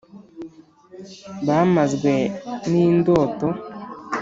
Bamazwe n'indoto